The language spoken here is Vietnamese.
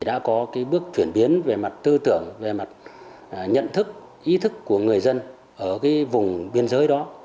đã có bước chuyển biến về mặt tư tưởng về mặt nhận thức ý thức của người dân ở vùng biên giới đó